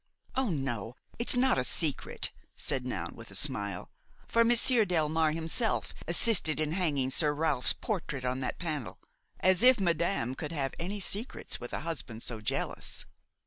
"Oh! no, it's not a secret," said Noun with a smile; "for Monsieur Delmare himself assisted in hanging Sir Ralph's portrait on that panel. As if madame could have any secrets with a husband so jealous!"